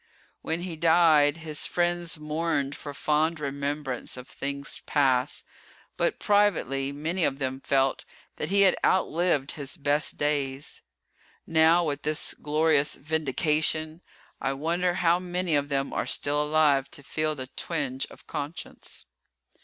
When he died his friends mourned for fond remembrance of things past, but privately many of them felt that he had outlived his best days. Now with this glorious vindication, I wonder how many of them are still alive to feel the twinge of conscience....